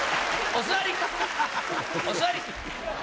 お座り！